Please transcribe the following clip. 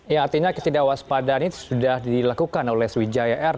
ya artinya ketidakwaspadaan ini sudah dilakukan oleh swijaya air